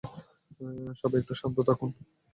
সবাই একটু শান্ত থাকুন, ওকে?